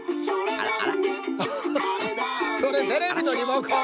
アハそれテレビのリモコン。